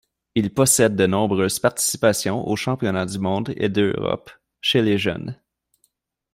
Il possède de nombreuses participations aux championnats du monde et d'Europe chez les jeunes.